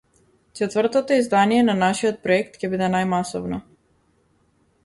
Четвртото издание на нашиот проект ќе биде најмасовно.